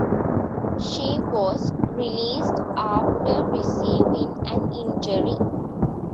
She was released after receiving an injury.